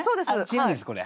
違うんですこれ。